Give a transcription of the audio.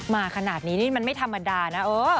มาขนาดนี้นี่มันไม่ธรรมดานะเออ